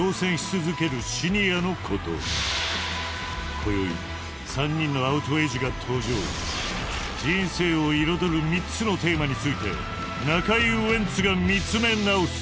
こよい３人のアウトエイジが登場人生を彩る３つのテーマについて中居ウエンツが見つめ直す